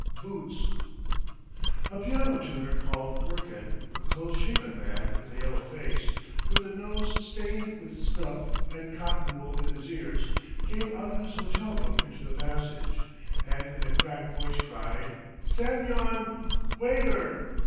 BOOTS A PIANO TUNER called Murkin, a close shaven man with a yellow face, with a nose stained with snuff, and cotton wool in his ears, came out of his hotel room into the passage, and in a cracked voice cried: "Semyon! Waiter!"